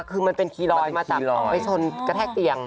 คือมันเป็นคีย์ลอยมาจากไปชนกระแทกเตียง